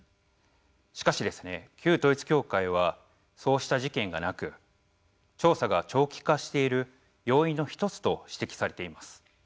しかし、旧統一教会はそうした事件がなく調査が長期化している要因の一つと指摘されています。